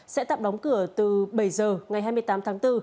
sẽ tạm đóng cửa từ bảy giờ ngày hai mươi tám tháng bốn